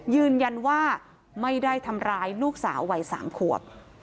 ยืนยันว่าไม่ได้ทำร้ายลูกสาววัย๓ขวบ